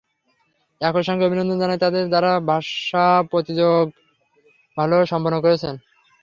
একই সঙ্গে অভিনন্দন জানাই তাঁদের, যাঁরা ভাষা প্রতিযোগ ভালোভাবে সম্পন্ন করেছেন।